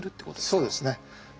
そうですね。